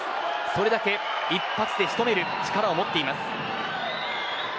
それだけ一発で仕留める力を持っています。